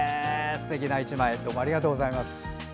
すてきな１枚ありがとうございます。